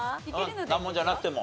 難問じゃなくても。